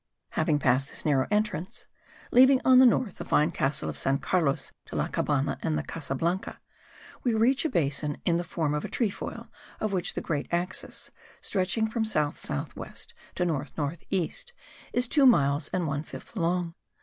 Having passed this narrow entrance, leaving on the north the fine castle of San Carlos de la Cabana and the Casa Blanca, we reach a basin in the form of a trefoil of which the great axis, stretching from south south west to north north east, is two miles and one fifth long.